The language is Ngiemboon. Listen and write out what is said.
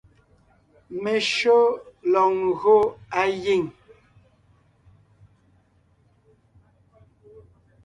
Meshÿó lɔg ńgÿo á giŋ.